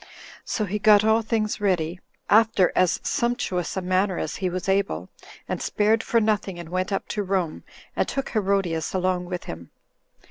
So he got all things ready, after as sumptuous a manner as he was able, and spared for nothing, and went up to Rome, and took Herodias along with him.